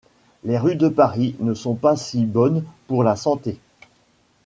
Les rues de Paris ne sont pas si bonnes pour la santé.